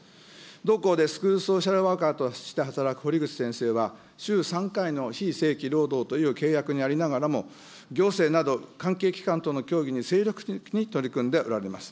同校でスクールソーシャルワーカーとして働くほりぐち先生は、週３回の非正規労働という契約にありながらも、行政など関係機関との協議に精力的に取り組んでおられます。